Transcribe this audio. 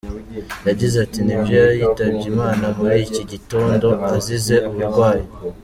Yagize ati “Nibyo yitabye Imana muri iki gitondo azize uburwayi.